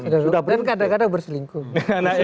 dan kadang kadang berselingkuh